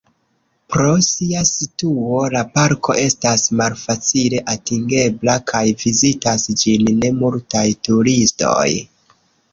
Pro sia situo la parko estas malfacile atingebla kaj vizitas ĝin ne multaj turistoj.